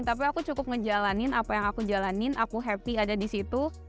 tapi aku cukup ngejalanin apa yang aku jalanin aku happy ada di situ